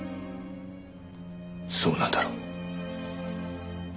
そうなんだろう？